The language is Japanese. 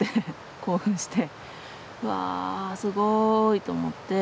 興奮して。わすごいと思って。